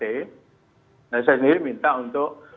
saya sendiri minta untuk